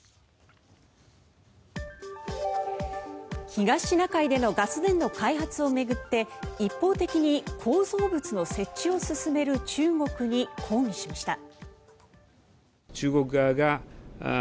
東シナ海でのガス田の開発を巡って一方的に構造物の設置を進める中国に抗議しました。